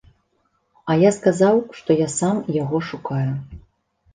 А я сказаў, што я сам яго шукаю.